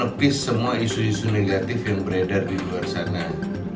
terlepas semua isu isu negatif yang beredar di luar sana